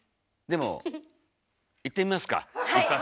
でもいってみますか一発。